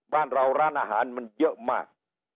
บ้านเราร้านอาหารมันเยอะมาก